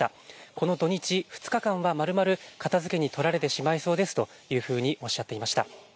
この土日、２日間はまるまる、片づけに取られてしまいそうですというふうにおっしゃっていました。